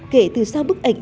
kể từ sau bức ảnh